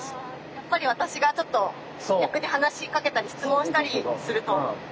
やっぱり私がちょっと逆に話しかけたり質問したりすると。